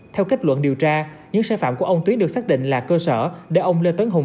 theo kết luận điều tra những sai phạm của ông tuyến được xác định là cơ sở để ông lê tấn hùng